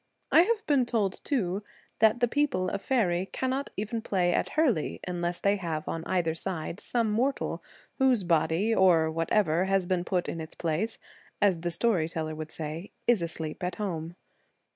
I have been told, too, that the people of faery cannot even play at hurley unless they have on either side some mortal, whose body, or whatever has been put in its place, as the story teller would say, is asleep at home.